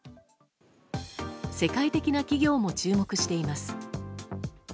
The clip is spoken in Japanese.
世界的な企業も注目しています。